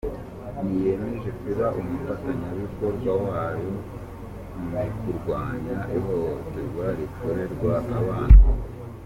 Niyemeje kuba umufatanyabikorwa wayo mu kurwanya ihohoterwa rikorerwa abana."